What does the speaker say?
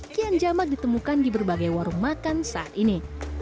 kian jamak ditemukan di berbagai warung makan saat ini